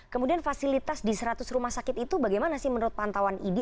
kemudian fasilitas di seratus rumah sakit itu bagaimana sih menurut pantauan idi